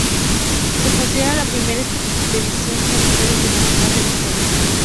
Se considera la primera expedición sanitaria internacional de la historia.